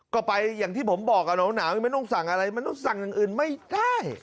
ก็ไปอย่างที่ผมบอกหนาวไม่ต้องสั่งอะไรมันต้องสั่งอย่างอื่นไม่ได้